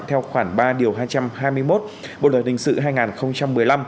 theo khoảng ba điều hai trăm hai mươi một bộ đợt hình sự hai nghìn một mươi năm